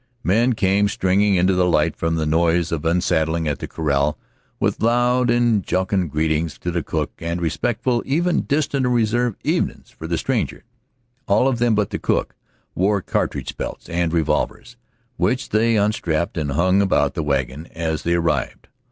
Men came stringing into the light from the noise of unsaddling at the corral with loud and jocund greetings to the cook, and respectful, even distant and reserved, "evenin's" for the stranger. All of them but the cook wore cartridge belts and revolvers, which they unstrapped and hung about the wagon as they arrived.